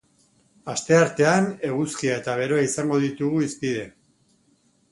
Asteartean eguzkia eta beroa izango ditugu hizpide.